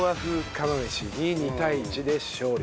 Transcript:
釜飯に２対１で勝利と。